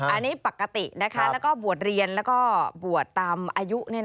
อันนี้ปกติแล้วก็บวชเรียนแล้วก็บวชตามอายุ